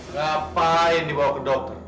siapa yang dibawa ke dokter